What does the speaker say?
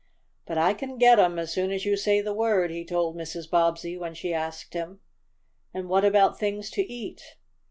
"But I can get 'em as soon as you say the word," he told Mrs. Bobbsey when she asked him. "And what about things to eat?"